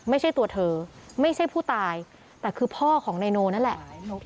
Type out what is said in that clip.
ไม่ใช่ตัวเธอไม่ใช่ผู้ตายแต่คือพ่อของนายโนนั่นแหละ